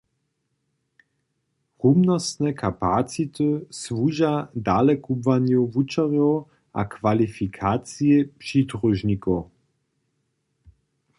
Rumnostne kapacity słuža dalekubłanju wučerjow a kwalifikaciji přidružnikow.